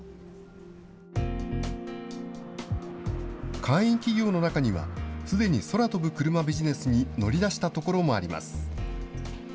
会員企業の中には、すでに空飛ぶクルマビジネスに乗り出したところもあります。